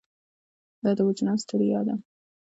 دا د وجدان ستړیا ده.